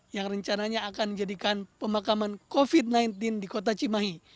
yang rencananya akan dijadikan pemakaman covid sembilan belas di kota cimahi